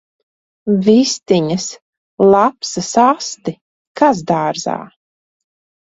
Vistiņas! Lapsas asti! Kas dārzā!